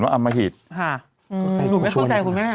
เป็นการกระตุ้นการไหลเวียนของเลือด